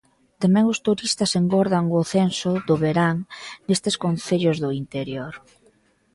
Tamén os turistas engordan o censo do verán nestes concellos do interior.